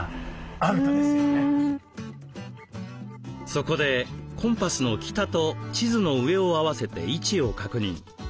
そこでコンパスの北と地図の上を合わせて位置を確認。